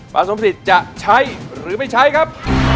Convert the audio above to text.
ป้าสมจิตจะใช้หรือไม่ใช้ครับ